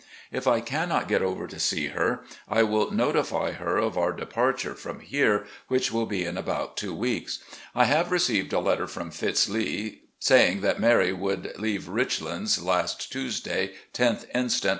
If I carmot get over to see her, I will notify her of our departure from here, which will be in about two weeks. I have received a letter from Fitz. Lee, saying that Mary would leave 'Richlands' last Tuesday, loth inst.